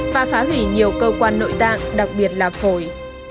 và phá hủy nhiều cơ quan nội tạng đặc biệt là phổi